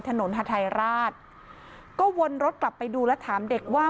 ถนนฮาทายราชก็วนรถกลับไปดูแล้วถามเด็กว่า